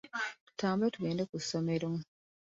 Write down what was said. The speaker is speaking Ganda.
Tutambule tugende ku ssomero.